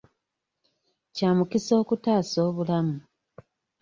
Kya mukisa okutaasa obulamu.